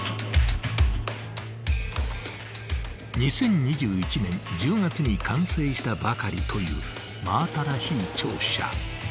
［２０２１年１０月に完成したばかりの真新しい庁舎］